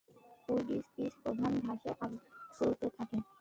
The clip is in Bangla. কুইডিচ পিচ প্রধানত ঘাসে আবৃত থাকে।